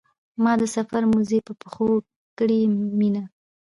ما د سفر موزې په پښو کړې مینه.